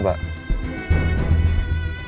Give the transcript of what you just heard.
saya ingin melaporkan